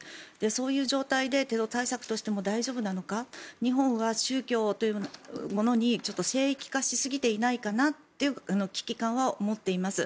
そういう状態でテロ対策としても大丈夫なのか日本は宗教というものに聖域化しすぎていないかなって危機感は覚えています。